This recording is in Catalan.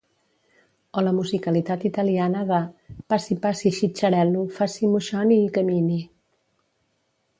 O la musicalitat italiana de «Passi, passi, xitxarel·lo, faci moixoni i camini».